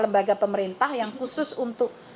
lembaga pemerintah yang khusus untuk